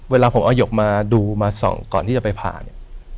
เวลาผมเอาหยกมาดูมาส่องก่อนที่จะไปผ่าเนี่ย